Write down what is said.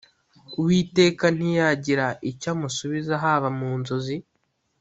uwiteka ntiyagira icyo amusubiza haba mu nzozi